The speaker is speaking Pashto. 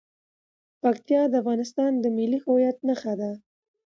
پکتیا د افغانستان د ملي هویت نښه ده.